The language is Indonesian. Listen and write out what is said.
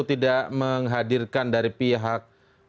tidak menghadirkan dari pihak